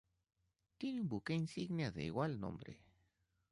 Tiene un buque insignia de igual nombre.